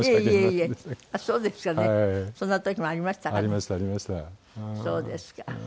そうですか。